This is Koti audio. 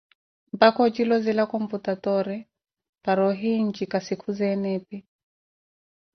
mpaka ojilozela computatoore, para ohiiye njika sikhuzeene epi.